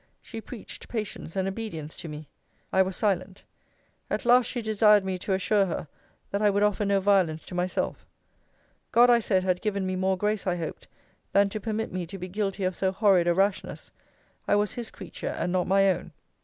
She preached patience and obedience to me. I was silent. At last she desired me to assure her, that I would offer no violence to myself. God, I said, had given me more grace, I hoped, than to permit me to be guilty of so horrid a rashness, I was his creature, and not my own.